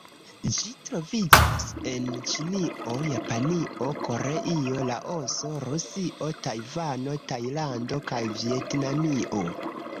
Ĝi troviĝas en Ĉinio, Japanio, Koreio, Laoso, Rusio, Tajvano, Tajlando kaj Vjetnamio.